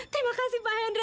terima kasih pak hendry